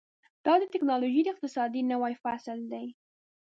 دا د ټیکنالوژۍ د اقتصاد نوی فصل دی.